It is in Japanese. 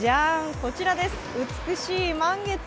こちらです、美しい満月。